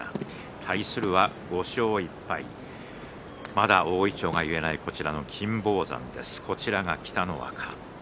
対するは５勝１敗まだ大いちょうが結えない金峰山。